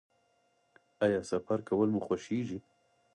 ایا سفر کول مو خوښیږي؟